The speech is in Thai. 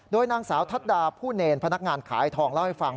โดยนางสาวทัศน์ดาผู้เนรพนักงานขายทองเล่าให้ฟัง